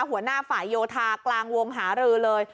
หัวหน้าฝ่ายโยธากลางวงหารือเลย